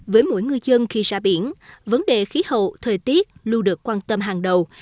với mỗi ngư dân khi ra biển vấn đề khí hậu thời tiết luôn được quan tâm hàng đầu